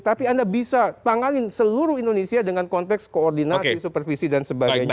tapi anda bisa tanganin seluruh indonesia dengan konteks koordinasi supervisi dan sebagainya